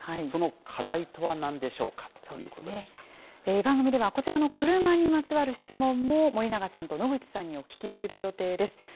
その課題とはなんでしょうかとい番組では、こちらの車にまつわる質問も森永さんと野口さんにお聞きする予定です。